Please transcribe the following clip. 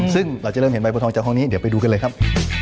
ซึ่งเราจะเริ่มเห็นใบบัวทองจากห้องนี้เดี๋ยวไปดูกันเลยครับ